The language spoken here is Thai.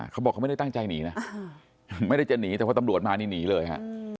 เขาบอกเขาไม่ได้ตั้งใจหนีนะไม่ได้จะหนีแต่พอตำรวจมานี่หนีเลยฮะ